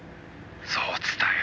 「そう伝えろ」